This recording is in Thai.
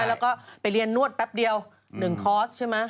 แล้วก็ไปเรียนนวดแป๊บเดียว๑คอร์สใช่ไหม